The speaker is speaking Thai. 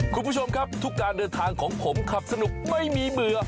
คุณผู้ชมครับทุกการเดินทางของผมขับสนุกไม่มีเบื่อ